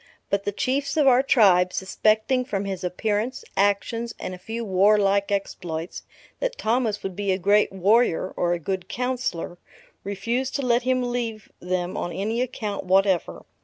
But the Chiefs of our tribe, suspecting from his appearance, actions, and a few warlike exploits, that Thomas would be a great warrior, or a good counsellor, refused to let him leave them on any account whatever.